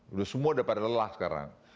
sudah semua sudah pada lelah sekarang